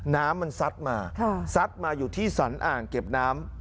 น้ำมันซัดมาซัดมาอยู่ที่สรรอ่างเก็บน้ำ